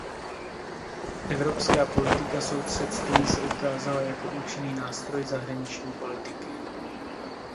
Evropská politika sousedství se ukázala jako účinný nástroj zahraniční politiky.